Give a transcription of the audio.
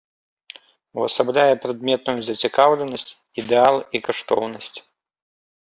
Увасабляе прадметную зацікаўленасць, ідэал і каштоўнасць.